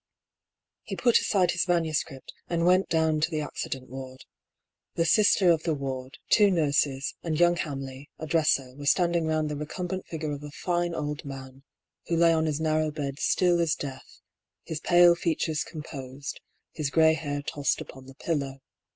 He put aside his manuscript, and went down to the accident ward. The " sister " of the ward, two nurses, and young Hamley, a dresser, were standing round the recumbent figure of a fine old man, who lay on his nar row bed still as death, his pale features composed, his 2 BR. PAULL'S THEORY. grey hair tossed upon the pillow.